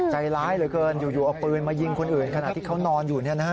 ใจร้ายเหลือเกินอยู่เอาปืนมายิงคนอื่นขณะที่เขานอนอยู่